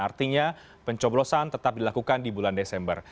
artinya pencoblosan tetap dilakukan di bulan desember